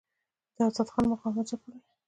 د آزاد خان مقاومت ځپلی.